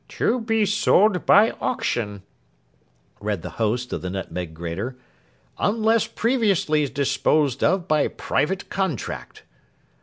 '"To be sold by Auction,"' read the host of the Nutmeg Grater, '"unless previously disposed of by private contract."